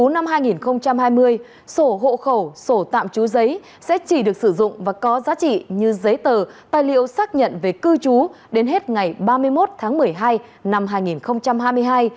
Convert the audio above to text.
năm hai nghìn hai mươi sổ hộ khẩu sổ tạm trú giấy sẽ chỉ được sử dụng và có giá trị như giấy tờ tài liệu xác nhận về cư trú đến hết ngày ba mươi một tháng một mươi hai năm hai nghìn hai mươi hai